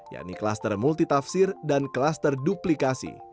yaitu klaster multitafsir dan klaster duplikasi